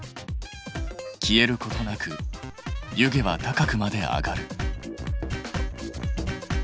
消えることなく湯気は高くまで上がる。